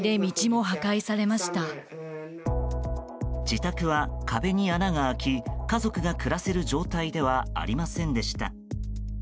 自宅は壁に穴が開き家族が暮らせる状態ではありませんでした。